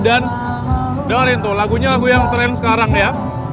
dan dengerin tuh lagunya lagu yang tren sekarang ya